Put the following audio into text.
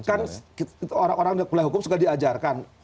kan orang orang yang mulai hukum suka diajarkan